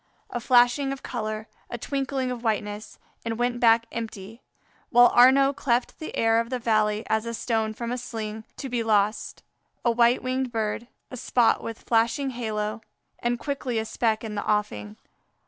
a flashing of color, a twinkling of whiteness and went back empty. While Arnaux cleft the air of the valley as a stone from a sling, to be lost a white winged bird a spot with flashing halo and, quickly, a speck in the offing.